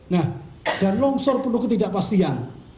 nah dan longsor penuh ketidakpastian